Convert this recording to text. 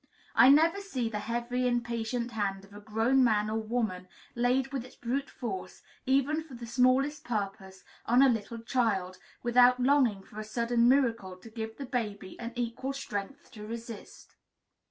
I never see the heavy, impatient hand of a grown man or woman laid with its brute force, even for the smallest purpose, on a little child, without longing for a sudden miracle to give the baby an equal strength to resist.